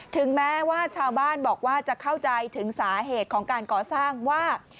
ถึงแม้ว่าชาวบ้านบอกว่าจะเข้าใจถึงสาเหตุของการก่อสร้างว่า